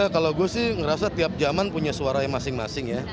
kalau gue sih ngerasa tiap zaman punya suara yang masing masing ya